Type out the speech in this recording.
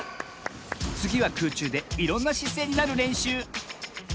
つぎはくうちゅうでいろんなしせいになるれんしゅう。